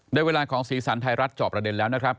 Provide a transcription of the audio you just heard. ได้เวลาของสีสันไทยรัฐจอบประเด็นแล้วนะครับ